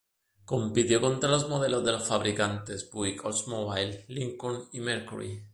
Compitió contra los modelos de los fabricantes Buick, Oldsmobile, Lincoln, y Mercury.